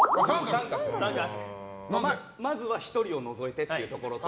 まずは１人を除いてっていうところと。